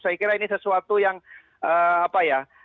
saya kira ini sesuatu yang apa ya